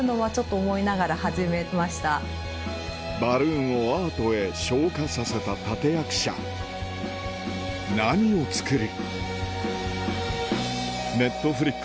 バルーンをアートへ昇華させた立役者何を作る？